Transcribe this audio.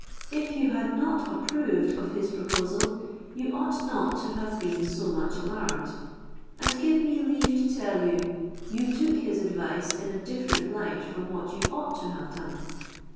If you had not approved of his proposal, you ought not to have been so much alarmed; and give me leave to tell you, you took his advice in a different light from what you ought to have done.